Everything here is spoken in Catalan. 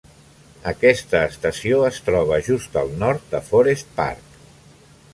Aquesta estació es troba just al nord de Forest Park.